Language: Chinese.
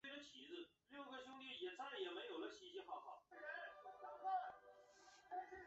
普奈勒斯蒂大道向东通往古代城市从该城向东南延伸。